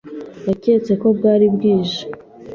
Yaketse ko bwari bwije.